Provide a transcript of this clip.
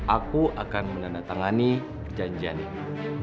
aku akan menandatangani perjanjian ini